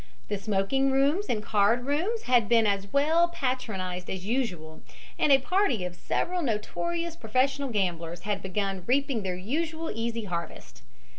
The smoking rooms and card rooms had been as well patronized as usual, and a party of several notorious professional gamblers had begun reaping their usual easy harvest.